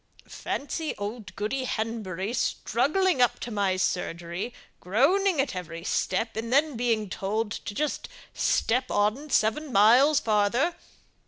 "Fancy old Goody Henbury struggling up to my surgery, groaning at every step, and then being told to just step on seven miles farther!